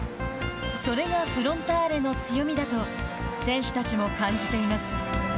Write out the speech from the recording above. それがフロンターレの強みだと選手たちも感じています。